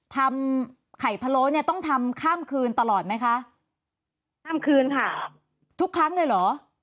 ทำไข่พะโล้เนี่ยต้องทำข้ามคืนตลอดไหมคะข้ามคืนค่ะทุกครั้งเลยเหรอ